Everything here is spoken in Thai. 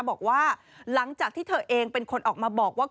บอกว่าหลังจากที่เธอเองเป็นคนออกมาบอกว่า